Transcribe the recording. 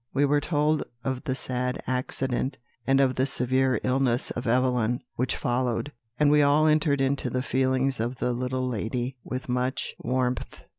We were told of the sad accident, and of the severe illness of Evelyn which followed; and we all entered into the feelings of the little lady with much warmth.